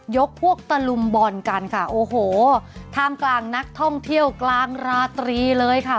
ยกพวกตะลุมบอลกันค่ะโอ้โหท่ามกลางนักท่องเที่ยวกลางราตรีเลยค่ะ